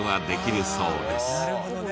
なるほどね。